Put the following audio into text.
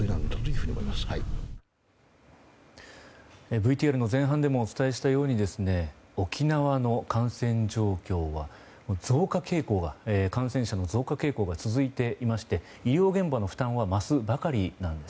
ＶＴＲの前半でもお伝えしたように沖縄の感染状況は感染者の増加傾向が続いていまして、医療現場の負担は増すばかりです。